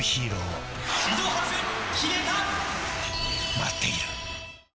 ［待っている］